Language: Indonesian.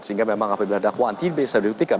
sehingga memang apabila dakwaan tidak bisa dibuktikan